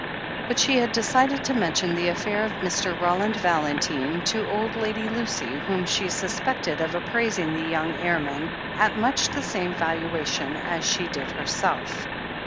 But she had decided to mention the affair of Mr. Roland Valentine to old Lady Lucy, whom she sus pected of appraising the young airman at much the same valuation as she did herself.